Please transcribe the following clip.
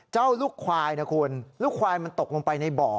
ลูกควายนะคุณลูกควายมันตกลงไปในบ่อ